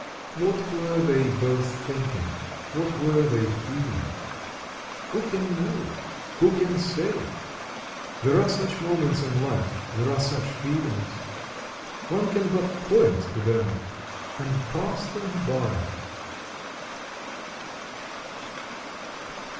What were they both thinking, what were they feeling? Who can know? who can say? There are such moments in life, there are such feelings... One can but point to them and pass them by.